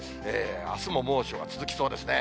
あすも猛暑が続きそうですね。